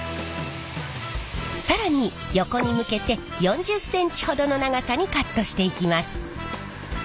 更に横に向けて４０ｃｍほどの長さにカットしていきます。